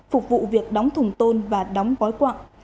phục vụ việc đóng thùng tôn và đóng gói quạng